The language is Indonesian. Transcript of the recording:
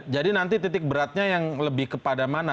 jadi nanti titik beratnya yang lebih kepada mana